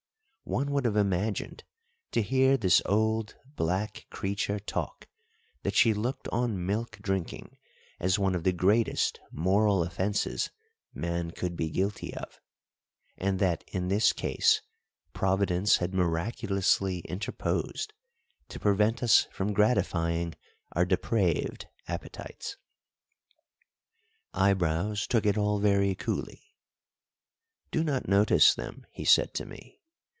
One would have imagined, to hear this old black creature talk, that she looked on milk drinking as one of the greatest moral offences man could be guilty of, and that in this case Providence had miraculously interposed to prevent us from gratifying our depraved appetites. Eyebrows took it all very coolly. "Do not notice them," he said to me.